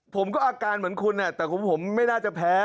อาการเหมือนคุณแต่ผมไม่น่าจะแพ้